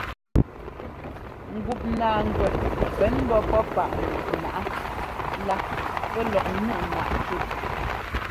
Ŋgup naaŋgwɛ pɛn ḿbɔ́ pɔ́ páꞌ gup nǎꞌá lá pɛ́ lɔk ńnuꞌ náꞌ cúꞌ.